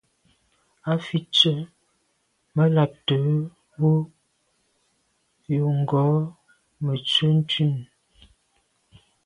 A fi tsə. Mə lὰbtə̌ Wʉ̌ yò ghò Mə tswə ntʉ̀n.